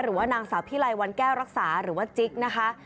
หรือว่านางสาวพิไลวันแก้วรักษาหรือว่าจิ๊กนะคะ